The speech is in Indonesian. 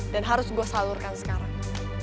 dan harus gue salurkan sekarang